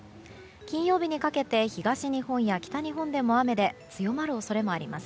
金曜日にかけて東日本や北日本でも雨で強まる恐れもあります。